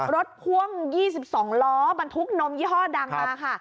พ่วง๒๒ล้อบรรทุกนมยี่ห้อดังมาค่ะ